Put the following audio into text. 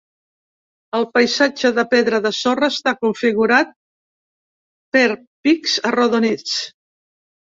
El paisatge de pedra de sorra està configurat per pics arrodonits.